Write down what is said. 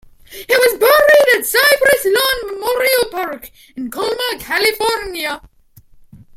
He was buried at Cypress Lawn Memorial Park in Colma, California.